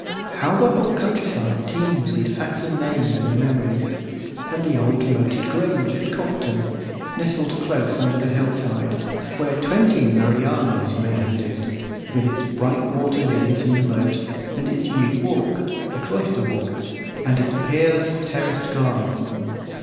How the whole countryside teems with Saxon names and memories! And the old moated grange at Compton, nestled close under the hillside, where twenty Marianas may have lived, with its bright water lilies in the moat, and its yew walk, "the cloister walk," and its peerless terraced gardens.